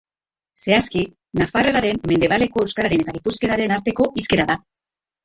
Zehazki, nafarreraren, mendebaleko euskararen eta gipuzkeraren arteko hizkera da.